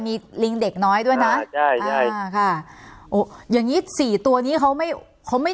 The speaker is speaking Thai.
มีลิงเด็กน้อยด้วยนะใช่อ่าค่ะโอ้อย่างงี้สี่ตัวนี้เขาไม่เขาไม่